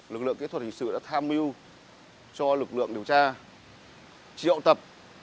lực lượng kỹ thuật hình sự đã tham mưu cho lực lượng điều tra triệu tập